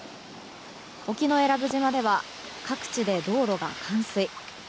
沖永良部島では各地で道路が冠水。